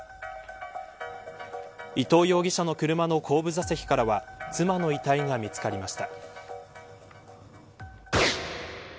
伊藤容疑者の車の後部座席からは妻の遺体が見つかりました。